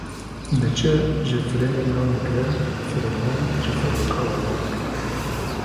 diçe ji firinê nan dikire, firinvan ji febrîqê arvan dikire.